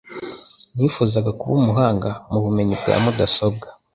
Nifuzaga kuba umuhanga mu bumenyi bwa mudasobwa